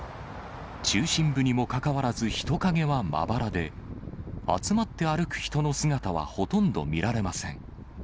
中心部にもかかわらず人影はまばらで、集まって歩く人の姿はほとんど見られません。